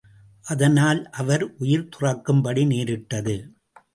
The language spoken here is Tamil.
அதனால் அவர் உயிர் துறக்கும்படி நேரிட்டது.